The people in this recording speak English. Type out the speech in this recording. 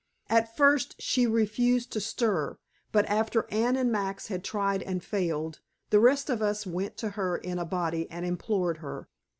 At first she refused to stir, but after Anne and Max had tried and failed, the rest of us went to her in a body and implored her.